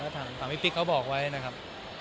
ถามพี่ปิ๊กเขาบอกไว้นะครับ